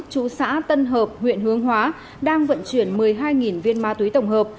chú xã tân hợp huyện hương hóa đang vận chuyển một mươi hai viên ma túy tổng hợp